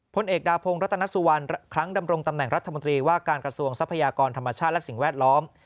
พลเอกดาพงศ์รัตนสุวรรณครั้งดำรงตำแหน่งรัฐมนตรีว่าการกระทรวงทรัพยากรธรรมชาติและสิ่งแวดล้อม